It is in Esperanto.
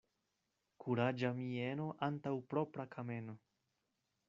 Kuraĝa mieno antaŭ propra kameno.